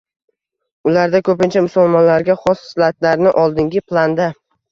Ularda koʻpincha musulmonlarga xos hislatlarni oldingi planda.